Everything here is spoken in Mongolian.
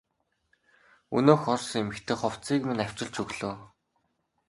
Өнөөх орос эмэгтэй хувцсыг минь авчирч өглөө.